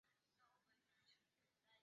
安徽歙县人。